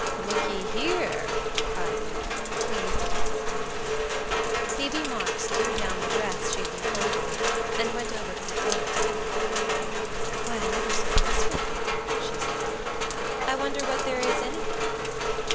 "Look ye here!" cried Luke, pleased at his discovery. Phoebe Marks threw down the dress she had been folding, and went over to the toilette table. "Why, I never saw this before," she said; "I wonder what there is in it?"